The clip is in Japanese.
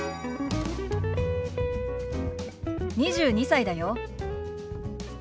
２２歳だよ。